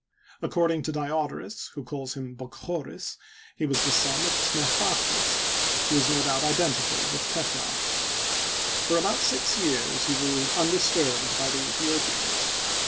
According to Diodorus, who calls him Bokchoris, he was the son of Tnefachthos, who is no doubt identical with Tefnacht. For about six years he ruled undisturbed by the Aethiopians.